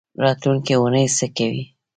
راتلونکۍ اونۍ څه کوئ؟